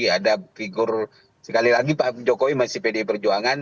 ada figur sekali lagi pak jokowi masih pdi perjuangan